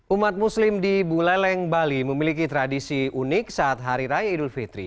umat muslim di buleleng bali memiliki tradisi unik saat hari raya idul fitri